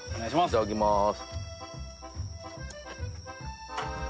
いただきます。